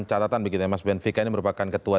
catatan mas benvika ini merupakan ketua